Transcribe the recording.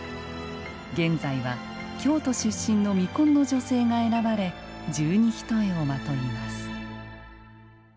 現在は京都出身の未婚の女性が選ばれ十二ひとえをまといます。